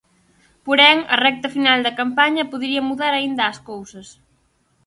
Porén, a recta final da campaña podería mudar aínda as cousas.